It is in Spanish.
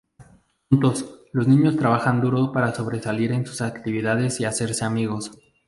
Juntos, los niños trabajan duro para sobresalir en sus actividades y hacerse amigos.